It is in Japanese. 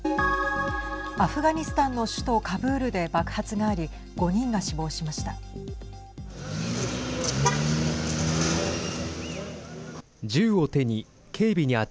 アフガニスタンの首都カブールで爆発があり５人が死亡しました。